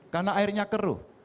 karena airnya keruh